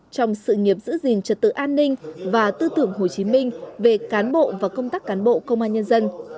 trong sự nghiệp giữ gìn trật tự an ninh và tư tưởng hồ chí minh về cán bộ và công tác cán bộ công an nhân dân